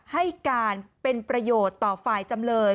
ให้การเป็นประโยชน์ต่อฝ่ายจำเลย